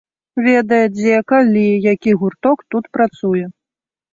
Ведае, дзе, калі, які гурток тут працуе.